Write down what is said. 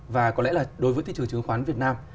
và có lẽ là đối với thị trường chứng khoán việt nam